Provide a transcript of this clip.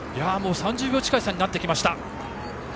３０秒近い差になってきました。